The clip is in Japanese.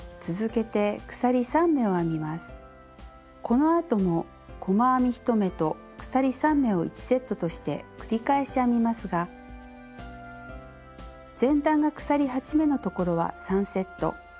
このあとも細編み１目と鎖３目を１セットとして繰り返し編みますが前段が鎖８目のところは３セット。